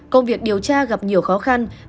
công việc điều tra gặp nhiều khó khăn